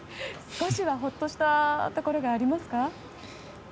少しはほっとしたところがありますか？